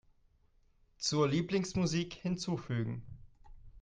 Zur Lieblingsmusik hinzufügen.